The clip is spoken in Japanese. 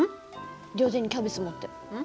両手にキャベツ持って。